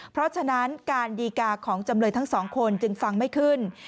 เพราะฉะนั้นการดีกาของจำเลยทั้งสองคนจึงฟังไม่ขึ้น